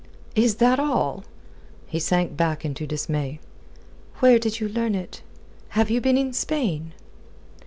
"Is that all?" He sank back into dismay. "Where did you learn it? Have you been in Spain?"